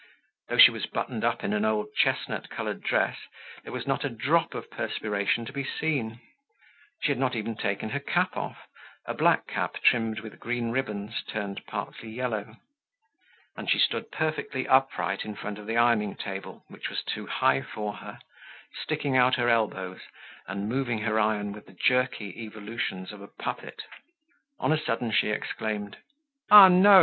Though she was buttoned up in an old chestnut colored dress, there was not a drop of perspiration to be seen. She had not even taken her cap off, a black cap trimmed with green ribbons turned partly yellow. And she stood perfectly upright in front of the ironing table, which was too high for her, sticking out her elbows, and moving her iron with the jerky evolutions of a puppet. On a sudden she exclaimed: "Ah, no!